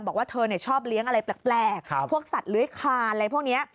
บอกว่าเธอชอบเลี้ยงอะไรแปลกพวกสัตว์เลื้อยคลานอะไรพวกนี้